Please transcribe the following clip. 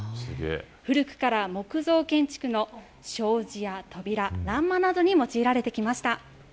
古くから木造建築の障子や扉、欄間などに用いられてきました。